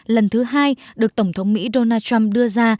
lần thứ hai được tổng thống mỹ donald trump đưa ra